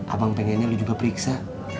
abang pengennya lu juga periksa